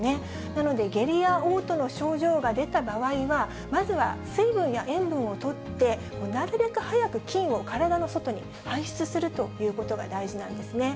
なので、下痢やおう吐の症状が出た場合は、まずは水分や塩分をとって、なるべく早く菌を体の外に排出するということが大事なんですね。